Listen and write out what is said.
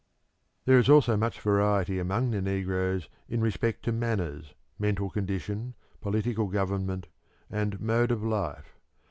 There is also much variety among the negroes in respect to manners, mental condition, political government, and mode of life.